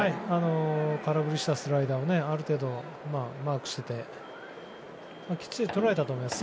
空振りしたスライダーをある程度マークしていてきっちり捉えたと思います。